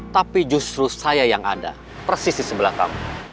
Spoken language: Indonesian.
tapi justru saya yang ada persis di sebelah kamu